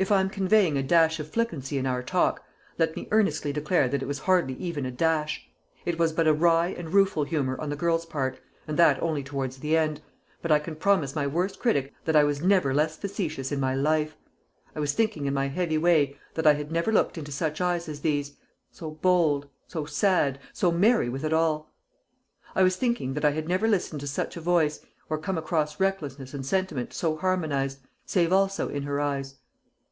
If I am conveying a dash of flippancy in our talk, let me earnestly declare that it was hardly even a dash. It was but a wry and rueful humour on the girl's part, and that only towards the end, but I can promise my worst critic that I was never less facetious in my life. I was thinking in my heavy way that I had never looked into such eyes as these, so bold, so sad, so merry with it all! I was thinking that I had never listened to such a voice, or come across recklessness and sentiment so harmonised, save also in her eyes!